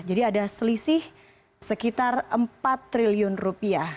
jadi ada selisih sekitar empat triliun rupiah